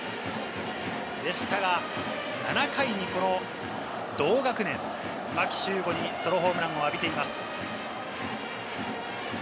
でしたが７回にこの同学年・牧秀悟にソロホームランを浴びています。